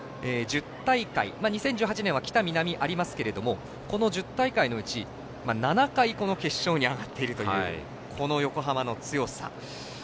２０１８年は北、南ありますがこの１０大会のうち、７回決勝に上がっているという横浜の強さ。